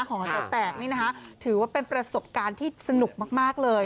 ของเราแตกนี่นะคะถือว่าเป็นประสบการณ์ที่สนุกมากเลย